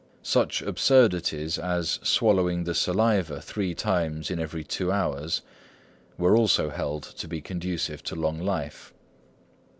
Such absurdities as swallowing the saliva three times in every two hours were also held to be conducive to long life.